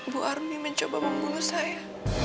bu army mencoba membunuh saya